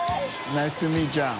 ナイストゥみぃちゃん。